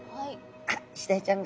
あイシダイちゃんが。